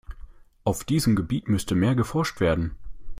Auf diesem Gebiet müsste mehr geforscht werden.